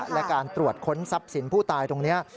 และการตรวจค้นทรัพย์สินผู้ตายตรงนี้